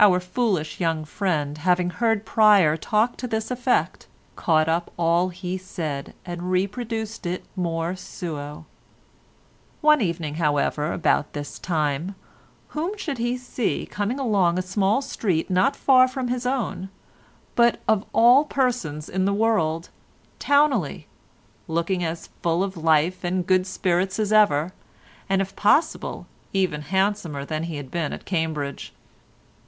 Our foolish young friend having heard Pryer talk to this effect, caught up all he said and reproduced it more suo. One evening, however, about this time, whom should he see coming along a small street not far from his own but, of all persons in the world, Towneley, looking as full of life and good spirits as ever, and if possible even handsomer than he had been at Cambridge.